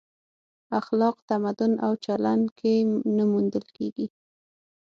اخلاق تمدن او چلن کې نه موندل کېږي.